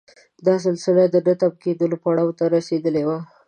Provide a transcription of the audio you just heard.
دا سلسله د نه تم کېدلو پړاو ته رسېدلې وه.